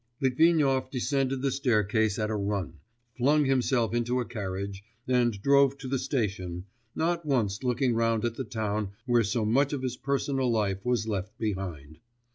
Litvinov descended the staircase at a run, flung himself into a carriage, and drove to the station, not once looking round at the town where so much of his personal life was left behind.